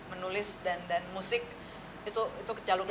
menulis dan musik itu kecalungan